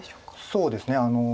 そうですね。